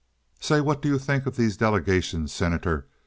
"Say, what do you think of these delegations, Senator?"